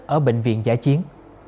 ở bệnh viện giải chiến